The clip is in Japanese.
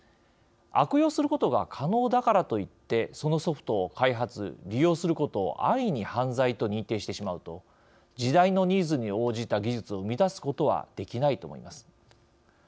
悪用することが可能だからといってそのソフトを開発・利用することを安易に犯罪と認定してしまうと時代のニーズに応じた技術を生み出すことはできないと思います。